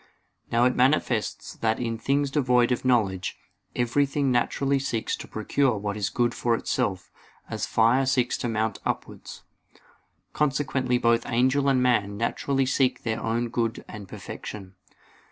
Now it is manifest that in things devoid of knowledge, everything naturally seeks to procure what is good for itself; as fire seeks to mount upwards. Consequently both angel and man naturally seek their own good and perfection.